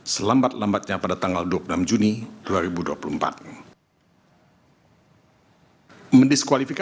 selambat lambatnya pada tanggal dua puluh enam juni dua ribu dua puluh empat